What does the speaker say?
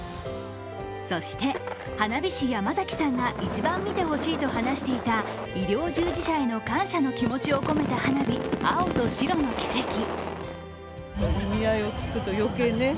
そして、花火師・山崎さんが一番見てほしいと話していた医療従事者への感謝の気持ちを込めた花火、青と白のキセキ。